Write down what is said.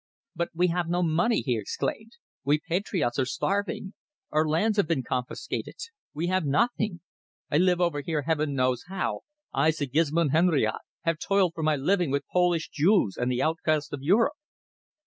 "But we have no money!" he exclaimed. "We patriots are starving. Our lands have been confiscated. We have nothing. I live over here Heaven knows how I, Sigismund Henriote, have toiled for my living with Polish Jews and the outcasts of Europe."